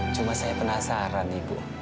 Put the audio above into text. cuma saya penasaran ibu